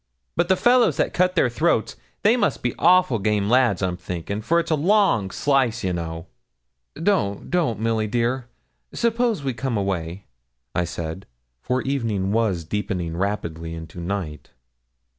But the fellows that cut their throats, they must be awful game lads, I'm thinkin', for it's a long slice, you know.' 'Don't, don't, Milly dear. Suppose we come away,' I said, for the evening was deepening rapidly into night.